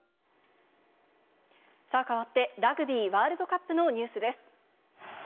さあ、かわって、ラグビーワールドカップのニュースです。